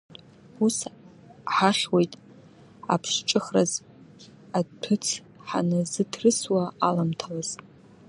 Ус ҳахьуеит, аԥсҿыхраз аҭәыц ҳаназыҭрысуа аламҭалаз.